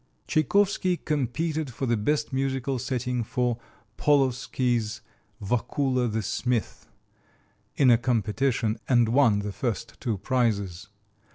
Tchaikovsky competed for the best musical setting for Polovsky's "Wakula the Smith" in a competition, and won the first two prizes.